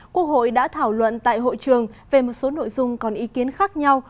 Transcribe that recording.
quốc hội đã thảo luận tại hội trường về một số nội dung còn ý kiến khác nhau